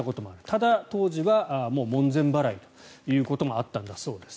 ただ、当時はもう門前払いということもあったそうです。